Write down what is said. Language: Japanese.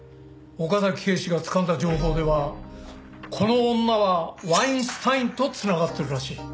岡崎警視がつかんだ情報ではこの女はワインスタインと繋がってるらしい。